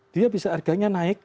dia bisa harganya naik